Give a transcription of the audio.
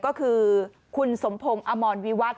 ก็คือคุณสมพงศ์อมรวิวัตร